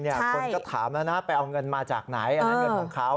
คนก็ถามแล้วนะไปเอาเงินมาจากไหนอันนั้นเงินของเขา